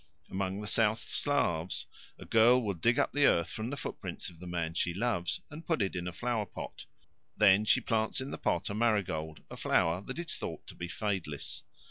Among the South Slavs a girl will dig up the earth from the footprints of the man she loves and put it in a flower pot. Then she plants in the pot a marigold, a flower that is thought to be fadeless.